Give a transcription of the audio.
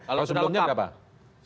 kalau sebelumnya berapa